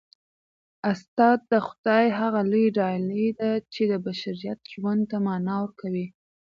استاد د خدای هغه لویه ډالۍ ده چي د بشریت ژوند ته مانا ورکوي.